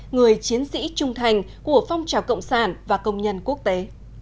người chiến sĩ trung thành của phong trào cộng sản và công nhân quốc tế